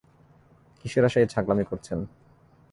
কিসের আশায় এই ছাগলামি করছেন?